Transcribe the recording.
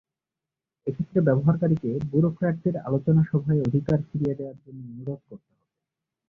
এক্ষেত্রে ব্যবহারকারীকে ব্যুরোক্র্যাটদের আলোচনাসভায় অধিকার ফিরিয়ে দেওয়ার জন্য অনুরোধ করতে হবে।